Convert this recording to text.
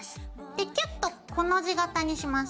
でキュッと「コの字型」にします。